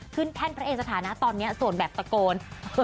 ขึ้นแท่นพระเอกสถานะตอนนี้โสดแบบตะโกน